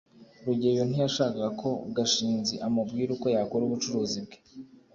rugeyo ntiyashakaga ko gashinzi amubwira uko yakora ubucuruzi bwe